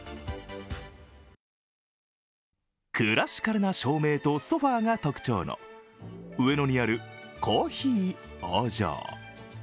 クラシカルな照明とソファーが特徴の上野にある珈琲王城。